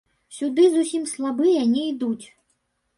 Сюды зусім слабыя не ідуць.